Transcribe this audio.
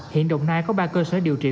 hiện đồng nai có ba cơ sở điều trị